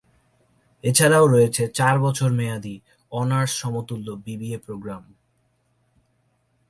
এছাড়াও রয়েছে চার বছর মেয়াদি অনার্স সমতুল্য বিবিএ প্রোগ্রাম।